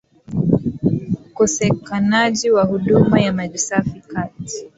ukosekanaji wa huduma ya maji safi kati